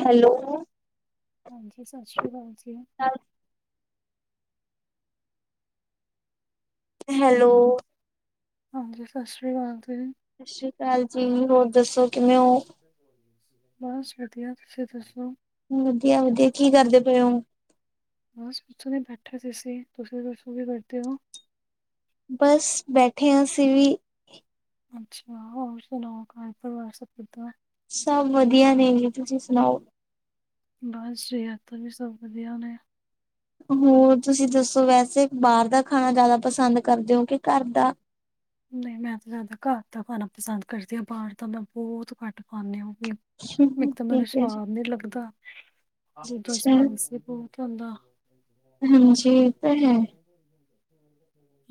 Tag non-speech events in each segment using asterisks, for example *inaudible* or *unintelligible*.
*inaudible* Hello ਹਾਂਜੀ, ਸਤਿ ਸ਼੍ਰੀ ਅਕਾਲ ਜੀ। ਹੈਲੋ ਹਾਂਜੀ, ਸਤਿ ਸ਼੍ਰੀ ਅਕਾਲ ਜੀ। ਸਤਿ ਸ਼੍ਰੀ ਅਕਾਲ ਜੀ ਹੋਰ ਦੱਸੋ ਕਿਵੇਂ ਔਂ? ਬਸ ਵਧੀਆ ਤੁਸੀਂ ਦੱਸੋ। ਵਧੀਆ-ਵਧੀਆ ਕੀ ਕਰਦੇ ਪਏ ਹੋ ਬਸ ਕੁਛ ਨਹੀ ਬੈਠਾ ਸੀ ਅਸੀ ਤੁਸੀ ਵੀ ਦਸੋ ਕਿ ਬੈਠੇ ਹੋ ਬਸ ਬੈਠੇ ਹਾਂ ਅਸੀਂ ਵੀ ਅੱਛਾ ਹੋਰ ਸੁਣਾਓ ਘਰ ਪਰਿਵਾਰ ਸਬ ਕਿੱਦਾਂ ਸਭ ਵਧੀਆ ਨੇਂ, ਜੀ ਤੁਸੀਂ ਸੁਣਾਓ। ਬਸ ਸੇ ਅਤਵੀ ਸਭ ਵਧੀਆ ਮੈਂ ਹੋਰ ਤੁਸੀਂ ਦੱਸੋ ਵੈਸੇ ਬਾਹਰ ਦਾ ਖਾਣਾ ਜ਼ਿਆਦਾ ਪਸੰਦ ਕਰਦੇ ਹੋ ਕੇ ਘਰ ਦਾ ਨਹੀਂ ਮੈਂ ਤਾਂ ਜ਼ਿਆਦਾ ਘਰ ਦਾ ਖਾਣਾ ਪਸੰਦ ਕਰਦੀ ਹਾਂ ਬਾਹਰ ਤਾਂ ਮੈਂ ਬਹੁਤ ਘੱਟ ਖਾਂਦੀ ਹੋ ਵੀ ਇਕ ਤਾਂ ਠੀਕ ਮੈਨੂੰ ਹੈ ਜੀ, ਸਵਾਦ ਨੀ ਲੱਗਦਾ ਦੂਜਾ ਅੱਛਾ ਸਪੰਗਸ ਹੋ ਕੇ ਆਉਂਦਾ ਹਾਂਜੀ ਇਹ ਤਾਂ ਹੈ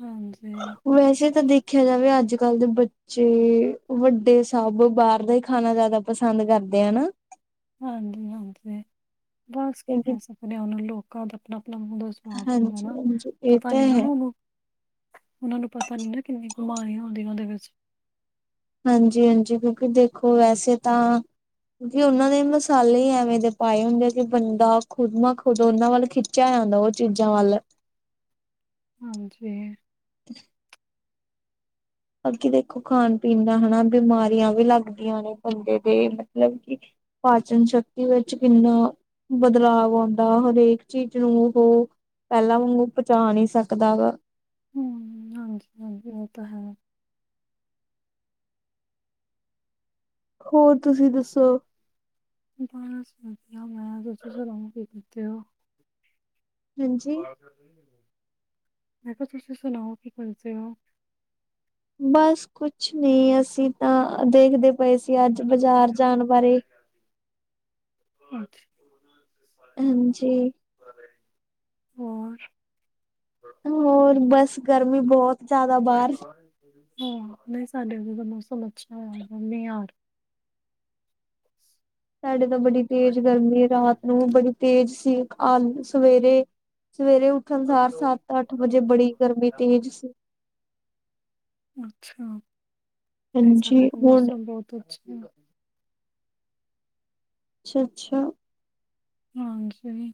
*inaudible* ਹਾਂਜੀ ਵੈਸੇ ਤਾਂ ਦੇਖਿਆ ਜਾਵੇ ਅੱਜ ਕੱਲ ਦੇ ਬੱਚੇ ਜੀ ਵੱਡੇ ਸਭ ਬਾਹਰ ਦਾ ਹੀ ਖਾਣਾ ਜ਼ਿਆਦਾ ਪਸੰਦ ਕਰਦੇ ਹਨਾ ਹਾਂਜੀ-ਹਾਂਜੀ ਬਸ ਕੀ ਕਿਉਂਕਿ ਕਹਿ ਸਕਦੇ ਹਾਂ ਉਹ ਲੋਕਾਂ ਦਾ ਆਪਣਾ-ਆਪਣਾ ਮੂੰਹ ਦਾ ਸਵਾਦ ਹੁੰਦਾ ਨਾ ਹਾਂਜੀ-ਹਾਂਜੀ ਇਹ ਪਤਾ ਨੀ ਤਾਂ ਨਾ ਹੈ। ਉਹਨੂੰ ਉਹਨਾਂ ਨੂੰ ਪਤਾ ਨੀ ਨਾ ਕਿੰਨੀ ਬਿਮਾਰੀਆਂ ਆਉਂਦੀਆਂ ਉਹਦੇ ਵਿੱਚ ਹਾਂਜੀ-ਹਾਂਜੀ ਕਿਉਂਕਿ ਦੇਖੋ ਵੈਸੇ ਤਾਂ ਜੇ ਉਹਨਾਂ ਨੇ ਮਸਾਲੇ ਐਵੇਂ ਦੇ ਪਾਏ ਹੁੰਦੇ ਕਿ ਬੰਦਾ ਖੁਦਮ ਖੁੱਦ ਉਹਨਾਂ ਵੱਲ ਖਿੱਚ ਖਿੱਚਿਆ ਉਹ ਚੀਜ਼ਾਂ ਵੱਲ ਹਾਂਜੀ। ਅੱਗੇ ਦੇਖੋ ਖਾਣ ਪੀਣ ਦਾ ਹਨਾ ਬਿਮਾਰੀਆਂ ਵੀ ਲੱਗਦੀਆਂ ਨੇ ਬੰਦੇ ਦੇ ਮਤਲਬ ਕਿ ਪਾਚਨ ਸ਼ਕਤੀ ਵਿੱਚ ਕਿੰਨਾ ਬਦਲਾਵ ਆਉਂਦਾ ਹਰੇਕ ਚੀਜ਼ ਨੂੰ ਉਹੋ ਪਹਿਲਾਂ ਵਾਂਗੂੰ ਬਚਾ ਨੀ ਸਕਦਾ ਵਾ ਹੂ ਹਾਂਜੀ, ਹਾਂਜੀ ਇਹ ਤਾਂ ਹੈ। ਹੋਰ ਤੁਸੀਂ ਦੱਸੋ? ਬਸ ਮੇ ਸੁਤੀ ਹਾ ਰਾਊਂਡ ਕੀ ਕੀਤੇ ਹੋ। ਹਾਂਜੀ। ਮੈਂ ਕਿਹਾ ਤੁਸੀਂ ਸੁਣਾਓ ਕੀ ਕਰ ਦੇ ਹੋ। ਬਸ ਕੁਛ ਨਹੀਂ ਅਸੀਂ ਤਾਂ ਦੇਖਦੇ ਪਏ ਸੀ ਅੱਜ ਬਜ਼ਾਰ ਜਾਣ ਬਾਰੇ ਅੱਛਾ। ਹਾਂਜੀ ਹੋਰ। ਹੋਰ ਬਸ ਗਰਮੀ ਬਹੁਤ ਜ਼ਿਆਦਾ ਬਾਹਰ ਹਾਂ ਨਹੀਂ ਸਾਡੇ ਉਦ ਦਾ ਮੌਸਮ ਅੱਛਾ ਆ ਮੀਂਹ ਆ ਬਸ ਤੁਹਾਡੇ ਤਾਂ ਬੜੀ ਤੇਜ਼ ਗਰਮੀ ਰਾਤ ਨੂੰ ਬੜੀ ਤੇਜ਼ ਸੀ ਆ ਸਵੇਰੇ, ਸਵੇਰੇ ਉਠ ਉੱਠਣ ਸਾਰ ਸੱਤ ਅੱਠ ਵਜੇ ਬੜੀ ਗਰਮੀ ਤੇਜ਼ ਸੀ। ਅੱਛਾ ਨਹੀਂ ਹਾਂਜੀ ਸਾਡੇ ਤੇ ਹੁਣ ਮੌਸਮ ਬਹੁਤ ਅੱਛਾ ਹੈ। ਅੱਛਾ, ਅੱਛਾ ਹਾਂਜੀ।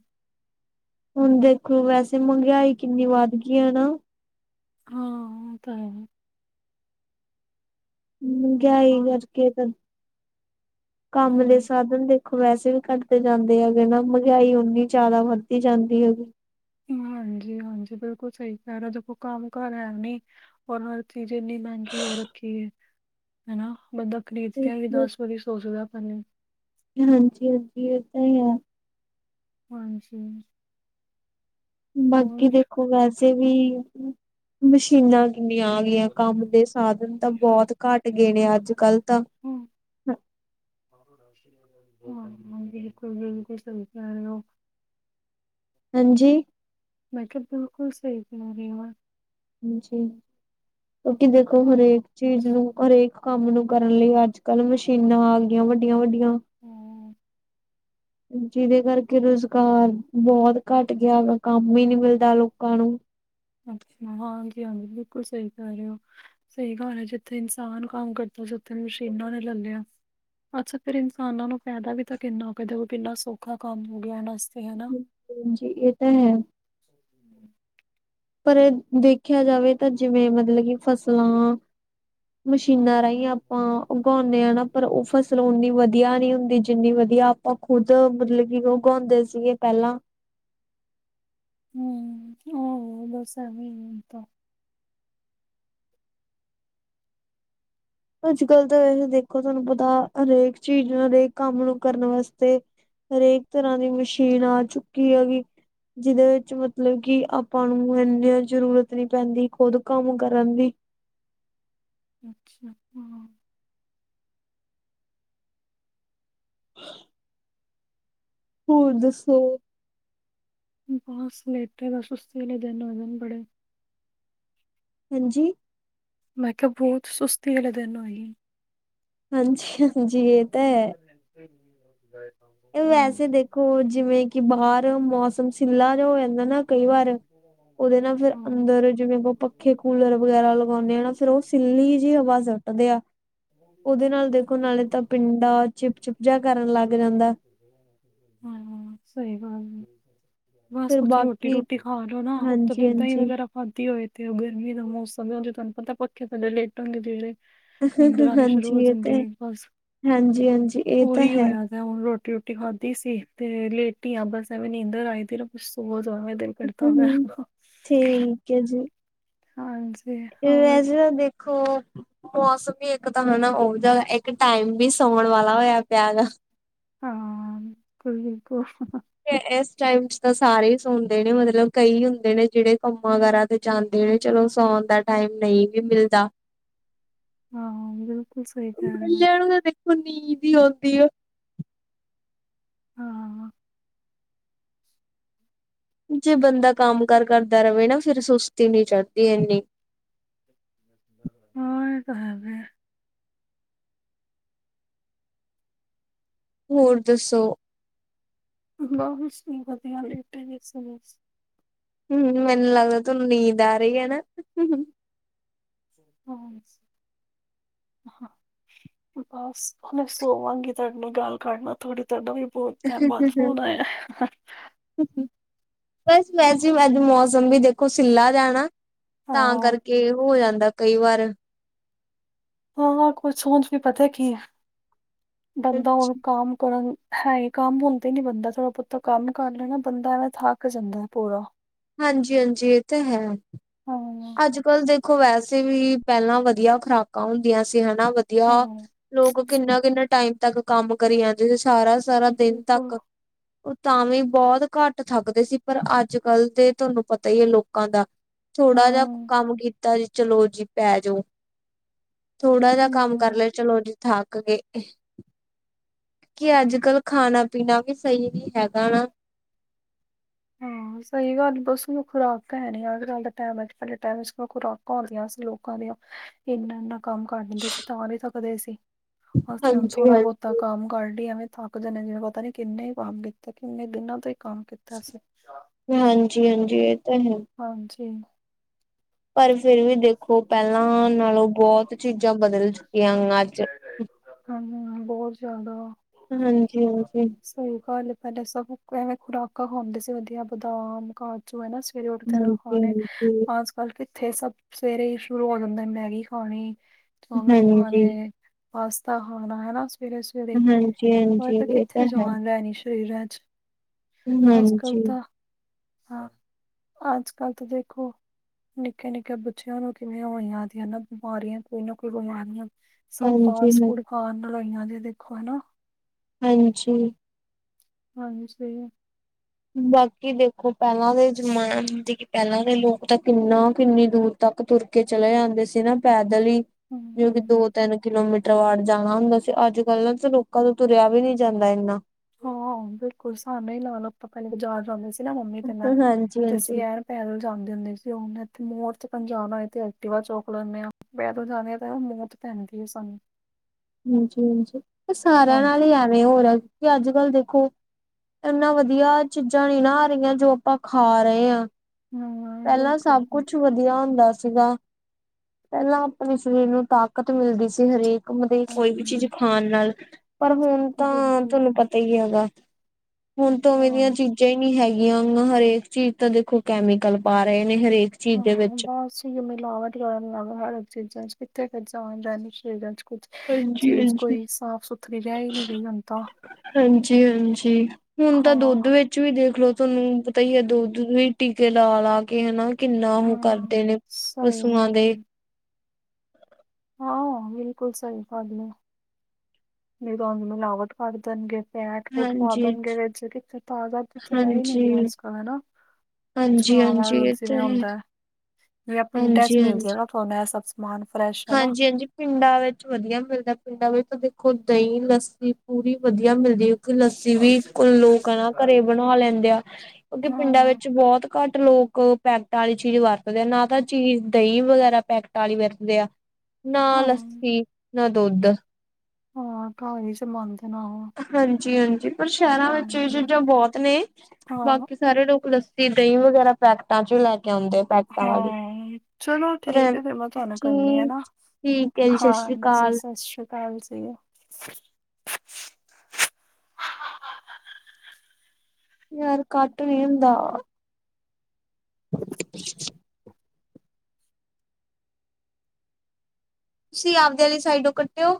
ਹੁਣ ਦੇਖੋ ਵੈਸੇ ਮਹਿੰਗਾਈ ਕਿੰਨੀ ਵੱਧ ਗਈ ਹੈਨਾ। ਹਾਂ ਉਹ ਤਾਂ ਹੈ। ਮਹਿੰਗਈ ਹਾਂ ਕਰਕੇ ਤਾਂ ਕੰਮ ਦੇ ਹਮ ਸਾਧਨ ਦੇ ਵੈਸੇ ਵੀ ਘੱਟਦੇ ਜਾਂਦੇ ਹੈਗੇ ਨਾ, ਮਹਿੰਗਾਈ ਉਨੀ ਜ਼ਿਆਦਾ ਵੱਦੀ ਜਾਂਦੀ ਹੈਗੀ। ਹਾਂਜੀ, ਹਾਂਜੀ ਬਿਲਕੁਲ ਸਹੀ ਕਹਿ ਰਿਹਾ ਹੋ ਕੰਮ ਕਾਰ ਹੈਨੀ। ਚੀਜ਼ ਇੰਨੀ ਮਹਿੰਗੀ ਹੋ ਰੱਖੀ ਹੈ ਹਨਾ ਬੰਦਾ ਖਰੀਦ ਆਂ ਵੀ ਦਸ ਵਾਰੀ ਸੋਚਦਾ ਪਹਿਲੇ ਹਾਂਜੀ, ਹਾਂਜੀ ਇਹ ਤਾਂ ਹੀ ਹੈ। ਹਾਂਜੀ। ਬਾਕੀ ਦੇਖੋ ਵੈਸੇ ਵੀ, ਮਸ਼ੀਨਾਂ ਕਿੰਨੀਆਂ ਆ ਗਈਆਂ। ਕੰਮ ਦੇ ਸਾਧਨ ਤਾਂ, ਬਹੁਤ ਘੱਟ ਗਏ ਨੇ, ਅੱਜ ਕੱਲ ਤਾਂ ਹਾਂ, ਬਿਲਕੁਲ- ਬਿਲਕੁਲ, ਸਹੀ ਕੇ ਰਹੇ ਹੋ। ਹਾਂਜੀ। ਮੈਂ ਕਿਹਾ, ਬਿਲਕੁਲ ਸਹੀ, ਕਹਿ ਰਹੇ ਹੋ। ਹਾਂਜੀ, ਕਿਉਂਕਿ ਦੇਖੋ, ਹਰੇਕ ਚੀਜ਼ ਨੂੰ। ਹਰੇਕ ਕੰਮ ਨੂੰ ਕਰਨ ਲਈ। ਅੱਜ ਕੱਲ, ਮਸ਼ੀਨਾਂ ਆ ਗਈਆਂ। ਵੱਡੀਆਂ-ਵੱਡੀਆਂ। ਜਿਹਦੇ ਕਰਕੇ, ਰੁਜ਼ਗਾਰ ਬਹੁਤ ਘੱਟ ਗਿਆ ਵਾ। ਕੰਮ ਹੀ ਨਹੀਂ ਮਿਲਦਾ ਅੱਛਾ। ਲੋਕਾਂ ਨੂੰ ਹਾਂਜੀ- ਹਾਂਜੀ, ਬਿਲਕੁਲ ਸਹੀ ਕਰ ਰਹੇ ਹੋ। ਸਹੀ ਗਲ ਹੈ। ਜਿੱਥੇ ਇਨਸਾਨ ਕੰਮ ਕਰਦਾ ਸੀ। ਉੱਥੇ ਮਸ਼ੀਨਾਂ ਨੇ, ਲੈ ਲਿਆ। ਅੱਛਾ ਫੇਰ, ਇਨਸਾਨਾਂ ਨੂੰ ਫਾਇਦਾ ਵੀ ਤਾਂ ਕਿੰਨਾ ਕ, ਦੇਔ ਕਿੰਨਾ ਸੌਖਾ ਕੰਮ, ਹੋ ਗਿਆ ਇਹਨਾਂ ਵਾਸਤੇ ਹਨਾ। ਹਾਂਜੀ, ਇਹ ਤਾਂ ਹੈ। *inaudible* ਪਰ ਅ ਦੇਖਿਆ ਜਾਵੇ ਤਾਂ, ਜਿਵੇਂ ਮਤਲਬ ਕਿ ਫਸਲਾਂ ਮਸ਼ੀਨਾਂ ਰਾਹੀਂ ਆਪਾਂ, ਉਗਾਉਂਦੇ ਹਾਂ ਨਾ। ਪਰ ਉਹ ਫਸਲ, ਉਨੀ ਵਧੀਆ ਨੀ ਹੁੰਦੀ। ਜਿੰਨੀ ਵਧੀਆ ਆਪਾਂ ਖੁੱਦ, ਮਤਲਬ ਕਿ ਉਗਾਉਂਦੇ ਸੀਗੇ ਪਹਿਲਾਂ। ਹਖੰ। ਔ ਹੋ, ਦਸ ਐਵੀ ਹੀ ਹੈ। ਅੱਜ ਕੱਲ ਤਾਂ *unintelligible* ਦੇਖੋ ਤੁਹਾਨੂੰ ਪਤਾ, ਹਰ ਇਕ ਚੀਜ਼ ਨੂੰ, ਹਰੇਕ ਕੰਮ ਨੂੰ ਕਰਨ ਵਾਸਤੇ। ਹਰ ਇਕ ਤਰਾਂ, ਦੀ ਮਸ਼ੀਨ ਆ ਚੁੱਕੀ ਹੈਗੀ। ਜਿਹਦੇ ਵਿੱਚ ਮਤਲਬ ਕਿ, ਆਪਾਂ ਨੂੰ ਏਨੀ ਜ਼ਰੂਰਤ ਨਹੀ ਪੈਂਦੀ, ਖੁਦ ਕੰਮ ਕਰਨ ਦੀ। ਅੱਛਾ, ਹਾ। *unintelligible* ਹੋਰ ਦੱਸੋ? ਬਸ ਲੈਟੇ ਰਹੋ। ਸੁਸਤੀ ਦੇ ਦਿਨ ਹੋ ਗਏ ਨੇ। ਬੜੇ ਹਾਂਜੀ। ਮੈਂ ਕਿਹਾ, ਬਹੁਤ ਸੁਸਤੀ, ਵਾਲੇ ਦਿਨ ਹੋਈ। ਹਾਂਜੀ-ਹਾਂਜੀ ਇਹ ਤਾ ਹੈ। *unintelligible* ਇਹ ਹਾਂ। ਵੈਸੇ ਦੇਖੋ, ਜਿਵੇਂ ਕਿ ਬਾਹਰ, ਮੌਸਮ ਸਿੱਲਾ ਜਿਹਾ, ਹੋ ਜਾਂਦਾ ਨਾ ਕਈ ਵਾਰ। ਉਹਦੇ ਨਾਲ ਫੇਰ, ਅੰਦਰ ਜਿਵੇਂ ਪੱਖੇ, ਕੂਲਰ ਵਗੈਰਾ ਲਗਾਉਂਦੇ ਆ ਨਾ। ਫੇਰ ਉਹ ਸਿੱਲੀ ਜਿਹੀ *unintelligible* *unintelligible* ਉਹਦੇ ਨਾਲ ਦੇਖੋ, ਨਾਲੇ ਤਾਂ ਪਿੰਡਾਂ, ਚਿਪ-ਚਿਪ ਜਿਹਾ ਕਰਨ ਲੱਗ ਜਾਂਦਾ। ਹਾਂ- ਹਾਂ, ਸਹੀ ਗੱਲ ਏ। ਫਿਰ ਕੁੱਛ ਬਾਕੀ ਰੋਟੀ-ਰੋਟੀ, ਖਾ ਲਓ ਨਾ। ਉਤੈ ਹਾਂਜੀ ਦੀ ਦਹੀ ਹਾਂਜੀ ਵਗੈਰਾ ਵੱਧਦੀ ਹੋਏ। ਤੇ ਉਹ ਗਰਮੀ ਦਾ ਮੌਸਮ ਵੇਂ। ਉਤੋ ਤੁਹਾਨੂੰ ਪਤਾ ਪੱਖੇ ਥੱਲੇ, ਲੇਟਣ ਦੀ ਦੇਰ ਏ। ਨਿੰਦਰ ਆਉਣੀ, ਸ਼ੁਰੂ ਹੋ ਹਾਂਜੀ ਇਹ ਤੇ ਜਾਂਦੀ। ਬਸ ਹਾਂਜੀ ਹਾਂਜੀ ਇਹ ਤਾਂ ਉਹੀ ਹੈ ਹੋਇਆ। ਮੈਂ, ਹੁਣ ਰੋਟੀ- ਰੋਟੀ, ਖਾਧੀ ਸੀ। ਤੇ ਲੇਟੀ ਆ ਬਸ, ਐਵੇਂ ਨੀਂਦਰ ਆਈ ਤੇ, ਬ ਸੋ ਜਾਓ ਏਵੇ ਦਿਲ ਕਰਦਾ ਪਿਆ ਹਮ ਹੇਗ। ਠੀਕ ਹਾਂਜੀ। ਹੋਰ ਲੇਜਾ ਦੇਖੋ ਮੌਸਮ ਵੀ, ਇੱਕ ਤਾਂ ਹਨਾ, ਉਹ ਜ ਇੱਕ ਟਾਈਮ ਵੀ, ਸੌਣ ਵਾਲਾ ਹੋਇਆ ਪਿਆ ਹੈਗਾ। ਹਾਂ, ਬਿਲਕੁੱਲ-ਬਿਲਕੁੱਲ। ਇਸ ਟਾਈਮ ਚ ਤਾਂ, ਸਾਰੇ ਹੀ ਸੁਣਦੇ ਨੇ। ਮਤਲਬ ਕਈ ਹੁੰਦੇ ਨੇ, ਜਿਹੜੇ ਕੰਮਾਂ ਕਾਰਦੇ ਜਾਂਦੇ ਨੇ। ਚਲੋ ਸੋਹਣ ਦਾ, ਟਾਈਮ ਨਹੀਂ ਵੀ ਮਿਲਦਾ। ਹਾਂ ਬਿਲਕੁਲ ਸਹੀ ਕਹਿ ਰਹੇ ਹੋ ਕੱਲਿਆਂ ਨੂੰ ਤਾਂ, ਦੇਖੋ ਨੀਂਦ ਹੀ ਆਉਂਦੀਉਂ। ਹਾਂ। ਜੇ ਬੰਦਾ, ਕੰਮ- ਕਾਰ, ਕਰਦਾ ਰਹੇ ਨਾ। ਫੇਰ ਸੁਸਤੀ ਨੀ ਚੜਦੀ। ਇੰਨੀ। ਹਾਂ ਏਤਾਂ ਹੈ। ਵੇ ਹੋਰ ਦੱਸੋ।? *unintelligible* ਹੂੰ, ਉਂ ਮੈਨੂੰ ਲੱਗਦਾ ਤੁਹਾਨੂੰ ਨੀਂਦ ਆ ਰਹੀ ਆ, ਨਾ? *unintelligible* ਬਸ, ਹੁਣ ਸੋਵਾਂਗੀ ਤੁਹਾਡੇ ਨਾਲ ਗੱਲ ਕਰਲਾ ਥੋੜੀ। ਤੁਹਾਡਾ ਵੀ, ਬਹੁਤ ਟਾਇਮ ਬਾਦ ਫ਼ੋਨ ਆਇਆ। ਬਸ ਵੈਸੇ, ਅੱਜ ਮੌਸਮ ਵੀ ਦੇਖੋ, ਸਿੱਲਾ ਜਾ ਰੈਣਾ। ਤਾਂ ਹਾਂ ਕਰਕੇ। ਕੇ, ਹੋ ਜਾਂਦਾ ਕਈ ਵਾਰ। ਹਾਂ-ਹਾਂ ਕੁਝ, ਓਂਝ ਵੀ ਪਤਾ ਕੀ ਹੈ, ਬੰਦਾ ਹੋਨ ਹਾਂਜੀ ਕੰਮ ਕਰਨ ਹਾਏ, ਕੰਮ ਹੁੰਦੇ ਨੀ ਬੰਦਾ ਥੋੜਾ-ਬਹੁਤਾ ਕੰਮ ਕਰ ਲਏ ਨਾ ਬੰਦਾ ਐਵੇਂ ਥੱਕ ਜਾਂਦਾ, ਪੂਰਾ। ਹਾਂਜੀ-ਹਾਂਜੀ ਇਹ ਤੇ ਹੈ। ਹਾਂ, ਅ ਅੱਜ-ਕੱਲ ਦੇਖੋ ਵੈਸੇ ਵੀ, ਪਹਿਲਾਂ ਵਧੀਆ ਖੁਰਾਕਾਂ ਹੁੰਦੀਆਂ ਸੀ, ਹੇਨਾ ਵਧੀਆ ਹਾਂ। ਲੋਕ ਕਿੰਨਾ-ਕਿੰਨਾ ਟਾਈਮ ਤੱਕ ਕੰਮ ਕਰੀ ਜਾਂਦੇ ਸੀ, ਸਾਰਾ-ਸਾਰਾ ਦਿਨ ਬਿਲਕੁਲ, ਤੱਕ। ਉਹ ਤਾਂ ਵੀ, ਬਹੁਤ ਘੱਟ ਥੱਕਦੇ ਸੀ। ਪਰ ਅੱਜ-ਕੱਲ ਤੇ ਤੁਹਾਨੂੰ ਪਤਾ ਹੀ ਹੈ ਲੋਕਾਂ ਦਾ। ਥੋੜ੍ਹਾ ਜਿਹਾ ਹੂੰ, ਕੰਮ ਕੀਤਾ ਜੀ ਚਲੋ ਜੀ, ਪੈਜੋ। ਥੋੜਾ ਜਿਹਾ ਕੰਮ ਕਰ ਹੂੰ। ਲਇਆ, ਚਲੋ ਜੀ ਥਾੱਕ ਗਏ। ਕਿ ਅੱਜ-ਕੱਲ, ਖਾਣਾ-ਪੀਣਾ ਵੀ ਸਹੀ ਨੀ ਹੈਗਾ ਨਾ। ਹਾਂ, ਸਹੀ ਗੱਲ ਬਸ ਖੁਰਾਕਾ ਹੈਨੀ, ਅੱਜ-ਕੱਲ ਦਾ ਟਾਈਮ ਵਿੱਚ, ਅੱਗੇ ਟਾਇਮ'ਚ ਖੁਰਾਕ *unintelligible* ਸੀ ਲੋਕਾਂ ਦੀਆਂ ਇੰਨਾ-ਇੰਨਾ ਕੰਮ ਕਰ ਲੀਂਦੇ ਸੀ ਤਾਂ ਨੀ ਥੱਕਦੇ ਸੀ, ਅਸੀਂ ਹੁਣ ਹਾਂਜੀ ਥੋੜ੍ਹਾ-ਬਹੁਤ ਤਾਂ ਹਾਂਜੀ ਕੰਮ ਕਰ ਲਈਏ ਐਵੇਂ ਥੱਕ ਜਾਂਨੇ ਜਿਵੇਂ ਪਤਾ ਨੀ, ਕਿੰਨੇ ਹੀ ਕੰਮ ਕੀਤੇ, ਕਿੰਨੇ ਦਿਨਾਂ ਦਾ ਹੀ ਕੰਮ ਕੀਤਾ ਅਸੀਂ। ਹਾਂ ਹਾਂਜੀ-ਹਾਂਜੀ, ਇਹ ਤਾ ਹੈ। ਹਾਂਜੀ। ਪਰ ਫਿਰ ਵੀ ਦੇਖੋ, ਪਹਿਲਾਂ ਨਾਲੋਂ ਬਹੁਤ ਚੀਜ਼ਾਂ ਬਦਲ ਚੁੱਕੀਆਂ ਨ, ਅੱਜ। ਹਾਂਜੀ, ਹਾਂ ਬਹੁਤ ਜ਼ਿਆਦਾ। ਹਾਂਜੀ-ਹਾਂਜੀ। ਸਹੀ ਗੱਲ ਏ, ਪਹਿਲਾ ਸਭ ਐਵੇਂ ਖੁਰਾਕਾਂ ਖਾਂਦੇ ਸੀ, ਵਧੀਆ ਬਦਾਮ, ਕਾ ਜੁ ਹੈ ਨਾ, ਸਵੇਰੇ ਉੱਠਦਿਆਂ ਨੂੰ ਖਾਣੇ, ਹਾਂਜੀ ਅੱਜ-ਕੱਲ ਕਿੱਥੇ ਸਭ ਸਵੇਰੇ ਹੀ ਸ਼ੁਰੂ ਹੋ ਜਾਂਦੇਨ ਮੈਗੀ ਖਾਣੀ, ਚਾਉਮੀਨ ਹਾਂਜੀ ਖਾਣੇ, ਪਾਸਤਾ ਖਾਣਾ ਹਨਾ ਸਵੇਰੇ-ਸਵੇਰੇ, ਹਾਂਜੀ ਔਰ, ਹਾਂਜੀ ਫਿਰ ਇਹ ਕਿੱਥੇ ਤਾਂ ਹੈ ਜਾਨ ਰਹਿਣੀ ਸਰੀਰਾਂ 'ਚ। ਅੱਜ ਕੱਲ ਹਾਂਜੀ। ਤਾਂ ਹਾਂ, ਅੱਜ-ਕੱਲ ਤਾ ਦੇਖੋ ਨਿੱਕੇ-ਨਿੱਕੇ ਬੱਚਿਆਂ ਨੂੰ ਕਿਵੇਂ ਹੋਈ ਆਦੀਆਂ ਨਾ ਬਿਮਾਰੀਆਂ, ਕੋਈ ਨਾ ਕੋਈ ਬਿਮਾਰੀਆਂ। ਸਭ ਹਾਂਜੀ ਹਾਂ ਫਾਸਟ-ਫੂਡ ਖਾਣ ਨਾਲ ਹੋਈਆਂ ਨੇ, ਦੇਖੋ ਹਨਾ। ਹਾਂਜੀ। ਹਾਂਜੀ। ਵਾਕਈ ਦੇਖੋ, ਪਹਿਲਾਂ ਦੇ ਜਮਾਨ, ਪਹਿਲਾਂ ਦੇ ਲੋਕ ਤਾਂ ਕਿੰਨਾ, ਕਿੰਨੀ ਦੂਰ ਤੱਕ ਤੁਰਕੇ ਚਲੇ ਜਾਂਦੇ ਸੀ ਨਾ, ਪੈਦਲ ਹੀ। ਹੂੰ ਜੋ ਕਿ ਦੋ-ਤਿੰਨ ਕਿਲੋਮੀਟਰ ਵਾਟ ਜਾਣਾ ਹੁੰਦਾ ਸੀ, ਅੱਜ-ਕੱਲ ਨਾ ਲੋਕਾਂ ਤੋਂ ਤੁਰਿਆ ਵੀ ਨੀ ਜਾਂਦਾ ਇੰਨਾ। ਹਾਂ, ਬਿਲਕੁਲ ਸਾਨੂੰ ਲਾਲੋ, ਆਪਾਂ ਕਿੱਥੇ ਬਾਜ਼ਾਰ ਜਾਂਦੇ ਸੀ‌ ਨਾ, ਮੰਮੀ ਤੇ ਮੈਂ, ਹਾਂਜੀ ਤੇ ਅਸੀ ਹਾਂਜੀ ਐਣ ਪੈਦਲ ਜਾਂਦੇ ਹੁੰਦੇ ਸੀ, ਹੁਨ ਇੱਥੇ ਮੋੜ ਤੀਕਣ ਜਾਣਾ ਹੋਏ, ਤਾਂ ਐਕਟੀਵਾ ਚੋੱਕ ਲੈਂਨੇ ਹਾਂ। ਪੈਦਲ ‌ਜਾਂਦਿਆ ਤਾਂ ਮੌਤ ‌ਪੈਂਦੀ ਹੈ, ਸਾਨੂੰ। ਹਾਂਜੀ-ਹਾਂਜੀ, ਆ ਸਾਰਿਆਂ ਹਾਂ ਨਾਲ ਹੀ ਐਵੇਂ ਹੋਰਿਆ। ਕਿ, ਅੱਜ-ਕੱਲ ਦੇਖੋ, ਇਹਨਾਂ ਵਧੀਆ ਚੀਜ਼ਾਂ ਨਹੀਂ ਨਾ ਆ ਰਹੀਆਂ, ਜੋ ਆਪਾਂ ਖਾ ਰਹੇ ਹਾਂ। ਹਾਂ ਪਹਿਲਾਂ ਬਿਲਕੁਲ ਸਭ ਜੀ, ਕੁੱਛ ਵਧ ਵਧੀਆ ਹੁੰਦਾ ਸੀਗਾ, ਪਹਿਲਾਂ ਆਪਣੇ ਸਰੀਰ ਨੂੰ ਤਾਕਤ ਮਿਲਦੀ ਸੀ, ਹਰੇਕ ਕੰਮ ਦੀ, ਕੋਈ ਵੀ ਚੀਜ਼ ਹਾਂ ਖਾਣ ਨਾਲ, ਪਰ ਹੁਣ ਤਾਂ ਬਿਲਕੁਲ ਤੁਹਾਨੂੰ ਪਤ ਏਹੀ ਹੈਗਾ, ਹੁਣ ਤੋਂ ਓਵੇਂ ਦੀਆਂ ਹਾਂਜੀ ਚੀਜ਼ਾਂ ਹੀ ਵੀ ਹੈਗੀਆਂ ਵ ਹਰੇਕ ਚੀਜ਼ ਤਾਂ ਦੇਖੋ ਕੈਮੀਕਲ ਪਾ ਰਹੇ ਨੇ ਹਰੇਕ ਚੀਜ਼ ਦੇ ਹਾਂ ਵਿੱਚ ਬਸ ਹੀ ਮਿਲਾਵਟ ਕਰਨ ਹਰਗ ਚੀਜ਼ਾਂ ਚ ਕਿੱਥੇ ਜਾਨ ਰਹਿ ਗਈ ਚੀਜ਼ਾਂ ਚ ਕੁਛ ਹਾਂਜੀ ਚੀਜ਼ ਹਾਂਜੀ ਕੋਈ ਸਾਫ਼ ਸੁਥਰੀ ਰਹਿ ਹੀ ਨਹੀਂ ਗਈ ਹੁੰਦਾ ਹਾਂਜੀ ਹਾਂਜੀ ਹੁਣ ਤਾਂ ਹਾਂ ਦੁੱਧ ਵਿੱਚ ਵਿੱਚ ਵੀ ਦੇਖਲੋ ਤੁਹਾਨੂੰ ਪਤਾ ਹੀ ਹੈ ਦੁੱਧ ਵੀ ਟੀਕੇ ਲਾ ਲਾ ਕੇ ਹਨਾ ਕਿੰਨਾ ਉਹ ਹਾਂ ਕਰਦੇ ਨੇ, ਸਹੀ ਪਸੂਆਂ ਦੇ। ਹਾਂ, ਹਾਂ, ਬਿਲਕੁਲ ਸਹੀ ਗੱਲ ਏ। ਨਹੀਂ ਤੁਹਾਨੂੰ ਮਿਲਾਵਟ ਕਰ ਦੇਣਗੇ ਫੱਟ ਫੂਟ ਹਾਂਜੀ, ਪਾਉਣਗੇ ਜਿਹੜੇ ਤਾਜ਼ਾ ਦਿਆਂ ਹੀ ਨਹੀਂ ਗ ਹਾਂਜੀ। ਅੱਜ ਕੱਲ ਹਨਾ ਵਾਂ ਹਾਂਜੀ-ਹਾਂਜੀ ਦੁੱਧ ਇਹ ਤਾਂ ਜਿਵੇਂ ਹੈ ਹੁੰਦਾ ਵੀ ਪਿੰਡਾਂ ਚ ਮਿਲ ਜਾ ਨਾ ਥੋੜਾ ਸਭ ਮਾਨ ਫਰਸ਼ ਹਾਂਜੀ ਹਾਂਜੀ ਪਿੰਡਾਂ ਵਿੱਚ ਵਧੀਆ ਮਿਲਦਾ ਪਿੰਡਾਂ ਵਿੱਚ ਦੇਖੋ ਦਹੀਂ ਲੱਸੀ ਪੂਰੀ ਵਧੀਆ ਮਿਲਦੀ ਲੱਸੀ ਵੀ ਲੋਕ ਹਨ ਨਾ ਘਰੇ ਬਣਾ ਲੈਂਦੇ ਆ ਕਿਉਂਕਿ ਪਿੰਡਾਂ ਹਾਂ ਵਿੱਚ ਬਹੁਤ ਘੱਟ ਲੋਕ ਪੈਕਟ ਵਾਲੀ ਚੀਜ਼ ਵਰਤਦੇ ਆ ਨਾ ਤਾਂ ਚੀਜ਼ ਦਹੀਂ ਵਗੈਰਾ ਪੈਕਟ ਵਾਲੀ ਵਰਤਦੇ ਆ ਨਾ ਹਾਂ ਲੱਸੀ ਨਾ ਦੁੱਧ ਹਾਂ ਘਰ ਹੀ ਜਮਾਂਦੇ ਨੇ ਆਹੋ ਹਾਂਜੀ ਹਾਂਜੀ ਪਰ ਸ਼ਹਿਰਾਂ ਵਿੱਚ ਇਹ ਚੀਜ਼ਾਂ ਬਹੁਤ ਨੇ ਹਾਂ ਬਾਕੀ ਸਾਰੇ ਲੋਕ ਲੱਸੀ ਦਹੀਂ ਵਗੈਰਾ ਪੈਕਟਾਂ ਚ ਵੀ ਲੈ ਕੇ ਆਉਂਦੇ ਪੈਕਟਾਂ ਵਾਲੀ ਹਾਂ ਚਲੋ ਪਰ ਠੀਕ ਹੈ ਫੇਰ ਮੈਂ ਤੁਹਾਨੂੰ ਕਦੀ ਹੈ ਜੀ ਠੀਕ ਹੈ ਜੀ ਸਤਿ ਹਾਂ ਸ੍ਰੀ ਜੀ ਅਕਾਲ ਸਤਿ ਸ੍ਰੀ ਅਕਾਲ ਜੀ ਯਾਰ ਕੱਟ ਨੀ ਹੁੰਦਾ *inaudible* ਤੁਸੀਂ ਆਪਦੇ ਵਾਲੀ ਸਾਈਡੋ ਕੱਟਿਓ